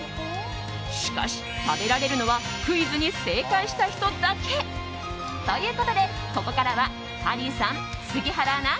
しかし、食べられるのはクイズに正解した人だけ。ということで、ここからはハリーさん、杉原アナ